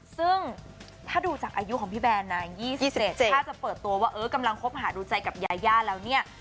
ซึ่งถ้าดูจากอายุของพี่แบนนะ๒๑ถ้าจะเปิดตัวว่าเออกำลังคบหาดูใจกับยาย่าแล้วเนี่ย